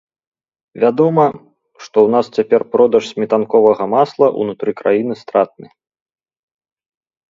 Вядома, што ў нас цяпер продаж сметанковага масла ўнутры краіны стратны.